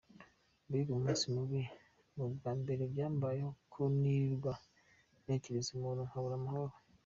Mbega umunsi mubi! Ni ubwa mbere byambayeho ko nirirwa ntekereza umuntu nkabura amahoro.